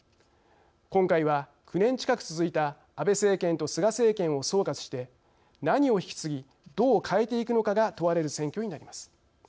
今回は、９年近く続いた安倍政権と菅政権を総括して何を引き継ぎどう変えていくのかが問われる選挙になります。